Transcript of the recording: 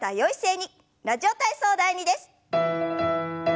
「ラジオ体操第２」です。